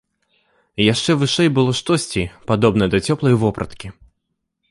Яшчэ вышэй было штосьці, падобнае да цёплай вопраткі.